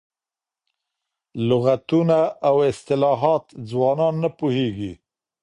لغتونه او اصطلاحات ځوانان نه پوهېږي.